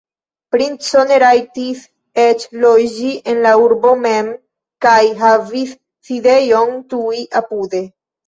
Princo ne rajtis eĉ loĝi en la urbo mem kaj havis sidejon tuj apude.